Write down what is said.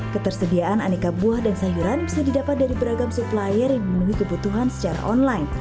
ketersediaan aneka buah dan sayuran bisa didapat dari beragam supplier yang memenuhi kebutuhan secara online